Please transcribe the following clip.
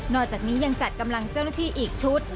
อกจากนี้ยังจัดกำลังเจ้าหน้าที่อีกชุด